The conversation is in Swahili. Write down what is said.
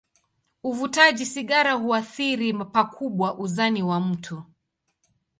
Uvutaji sigara huathiri pakubwa uzani wa mtu.